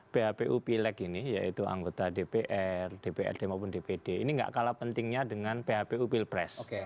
phpu pileg ini yaitu anggota dpr dprd maupun dpd ini gak kalah pentingnya dengan phpu pilpres